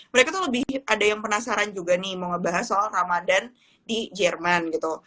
mereka tuh lebih ada yang penasaran juga nih mau ngebahas soal ramadan di jerman gitu